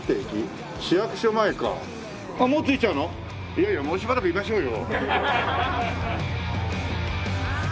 いやいやもうしばらくいましょうよ。